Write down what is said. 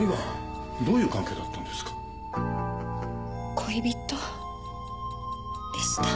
恋人でした。